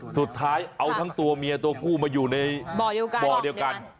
สุดท้ายเอาทั้งตัวเมียตัวผู้มาอยู่ในบ่อเดียวกัน